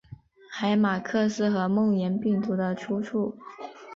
海马克斯和梦魇病毒的出处！